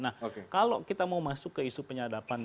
nah kalau kita mau masuk ke isu penyadapan